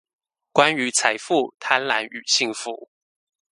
關於財富、貪婪與幸福